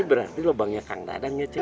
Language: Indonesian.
ini berarti lobangnya kang dadang ya ceng